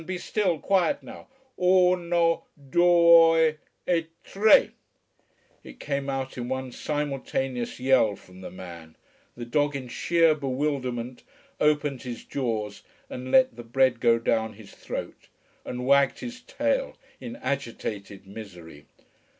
Be still. Quiet now. UNO DUE E TRE!" It came out in one simultaneous yell from the man, the dog in sheer bewilderment opened his jaws and let the bread go down his throat, and wagged his tail in agitated misery.